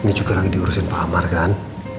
ini juga lagi diurusin pak amar kan